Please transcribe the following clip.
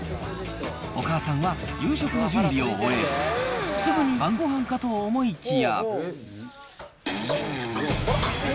お母さんは夕食の準備を終え、すぐに晩ごはんかと思いきや。